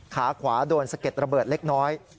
ขาขวาโดนสะเก็ดระเบิดเล็กน้อย